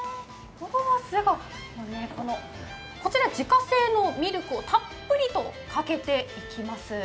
こちら自家製のミルクをたっぷりとかけていきます。